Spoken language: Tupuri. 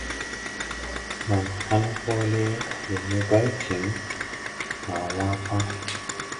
Man hãn hoole le me bargiŋ ma wan pãã.